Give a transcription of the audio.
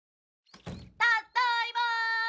ただいま！